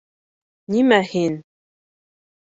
— Нимә һин?